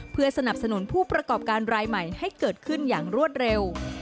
เพื่อสนับสนุนผู้ประกอบการรายใหม่ให้เกิดขึ้นอย่างรวดเร็ว